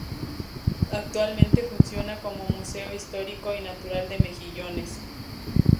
Actualmente funciona como Museo histórico y Natural de Mejillones.